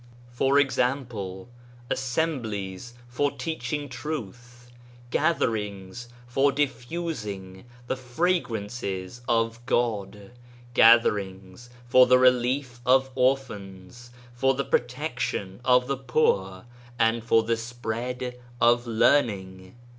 For example assemblies for teaching Truth, gatherings for dif fusing the Fragrances of God, gatherings for the relief of orphans, for the protection of the poor, and for the spread of learning.